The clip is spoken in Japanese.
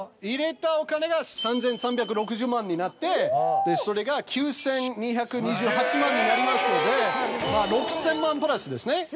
入れたお金が３３６０万になってそれが９２２８万になりますので６０００万プラスですね。